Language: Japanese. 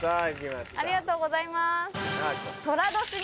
ありがとうございます。